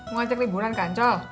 mau ajak liburan ke ancol